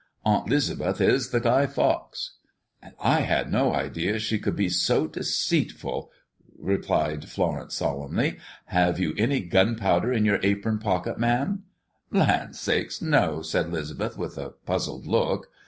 Aunt 'Lisbeth is the Guy Fawkes." "And I had no idea she could be so deceitful," replied Florence solemnly. "Have you any gunpowder in your apron pockets, ma'am?" "Land sakes! no," said 'Lisbeth, with a puzzled look.